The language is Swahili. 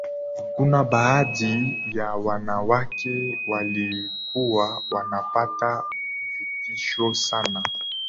Kuna baadhi ya wanawake walikuwa wanapata vitisho sana